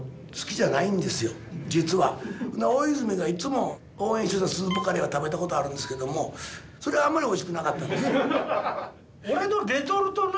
大泉がいつも応援してたスープカレーは食べたことあるんですけどもそれはあんまりおいしくなかったんです。